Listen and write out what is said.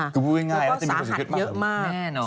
คือพูดง่ายน่าจะมีประสิทธิ์ขึ้นมาก